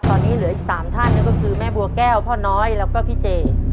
ตอนนี้เหลืออีก๓ท่านก็คือแม่บัวแก้วพ่อน้อยแล้วก็พี่เจ